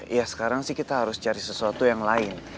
ya sekarang sih kita harus cari sesuatu yang lain